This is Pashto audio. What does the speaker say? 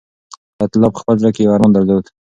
حیات الله په خپل زړه کې یو ارمان درلود.